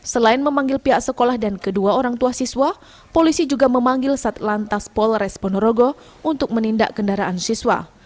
selain memanggil pihak sekolah dan kedua orang tua siswa polisi juga memanggil satlantas polres ponorogo untuk menindak kendaraan siswa